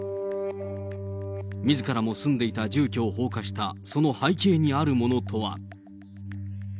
みずからも住んでいた住居を放火したその背景にあるものとは。